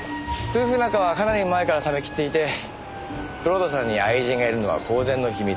夫婦仲はかなり前から冷め切っていて蔵人さんに愛人がいるのは公然の秘密。